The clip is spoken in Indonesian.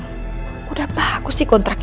aku dapet banyak yang mau bantu aku